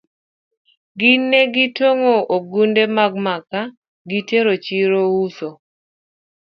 Gin ne gitong'o ogunde mag maka gitero chiro uso.